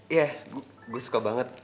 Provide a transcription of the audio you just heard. iya gue suka banget